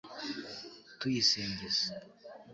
tuyisingiza